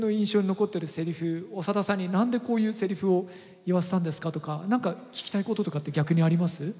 長田さんに「何でこういうセリフを言わせたんですか」とか何か聞きたいこととかって逆にあります？